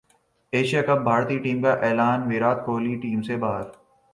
Asia cup بھارتی team کا اعلان ویرات کوہلی ٹیم سے باہر